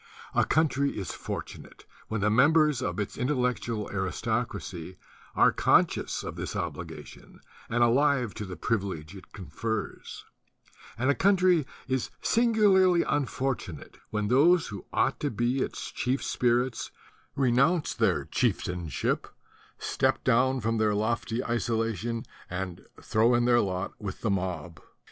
A country is fortunate when the members of its intellectual aristocracy are conscious of this obligation and alive to the privilege it confers; and a country is singularly unfortunate when those who ought to be its chief spirits renounce their chieftainship, step down from their lofty isolation, and throw in their lot with the mob.